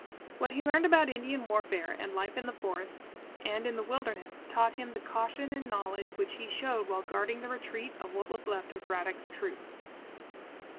What he learned about Indian warfare and life in the forests and in the Wilderness, taught him the caution and knowledge which he showed while guarding the retreat of what was left of Braddock's troops.